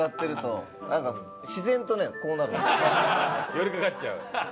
寄りかかっちゃう。